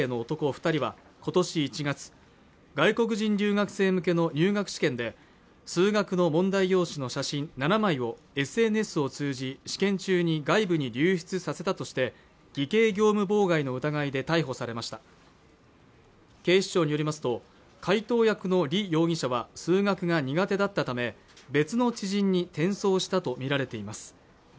二人はことし１月外国人留学生向けの入学試験で数学の問題用紙の写真７枚をＳＮＳを通じ試験中に外部に流出させたとして偽計業務妨害の疑いで逮捕されました警視庁によりますと解答役の李容疑者は数学が苦手だったため別の知人に転送したと見られています